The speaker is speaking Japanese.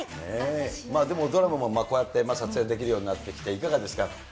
でもドラマもこうやって撮影できるようになってきて、いかがですか？